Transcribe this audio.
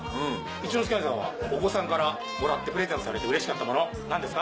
一之輔兄さんはお子さんからもらってプレゼントされてうれしかった物何ですか？